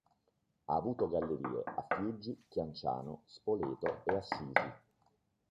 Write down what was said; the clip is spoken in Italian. Ha avuto gallerie a Fiuggi, Chianciano, Spoleto e Assisi.